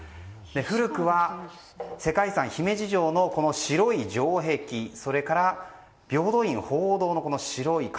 古くは世界遺産・姫路城のこの白い城壁それから平等院鳳凰堂の白い壁。